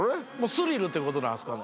スリルってことなんですかね。